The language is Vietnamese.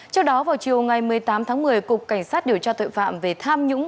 trước đó vào chiều ngày một mươi tám tháng một mươi cục cảnh sát điều tra tội phạm về tham nhũng